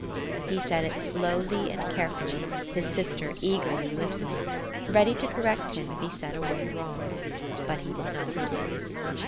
'" He said it slowly and carefully, his sister eagerly listening, ready to correct him if he said a word wrong. But he did not.